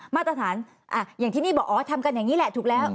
มาตรฐานอย่างที่นี่บอกอ๋อทำกันอย่างนี้แหละถูกแล้ว